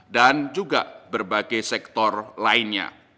dan juga berbagai sektor lainnya